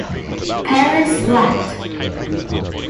Paris lat.